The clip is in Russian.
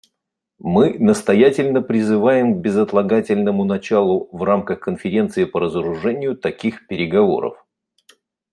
Мы настоятельно призываем к безотлагательному началу в рамках Конференции по разоружению таких переговоров.